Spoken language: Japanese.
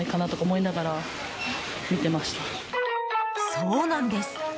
そうなんです。